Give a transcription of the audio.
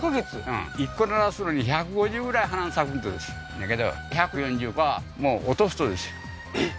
うん１個ならすのに１５０ぐらい花咲くんですやけど１４０はもう落とすとですよえっ？